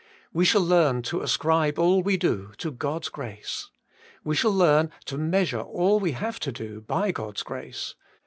We shall learn to ascribe all we do to God's grace. We shall learn to measure all we have to do by God's grace.